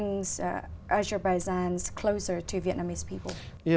nghĩa của ông ấy là